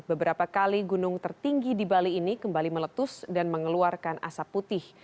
beberapa kali gunung tertinggi di bali ini kembali meletus dan mengeluarkan asap putih